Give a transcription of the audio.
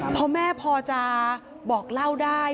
พอแม่พอจะบอกเล่าได้